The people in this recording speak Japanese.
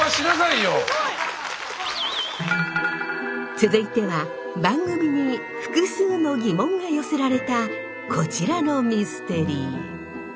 続いては番組に複数の疑問が寄せられたこちらのミステリー。